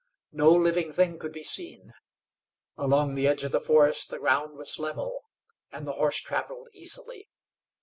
No living thing could be seen. Along the edge of the forest the ground was level, and the horse traveled easily.